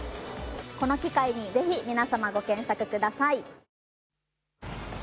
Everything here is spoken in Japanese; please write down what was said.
この機会にぜひ皆様ご検索ください。